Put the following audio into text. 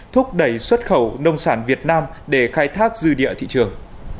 thúc đẩy xuất khẩu nông sản việt nam để khai thác dư địa thị trường